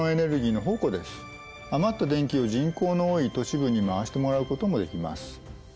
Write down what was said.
余った電気を人口の多い都市部に回してもらうこともできます。